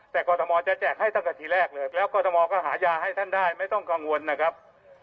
แต่กรทมจะแจกให้ตั้งแต่ทีแรกเลยแล้วกรทมก็หายาให้ท่านได้ไม่ต้องกังวลนะครับ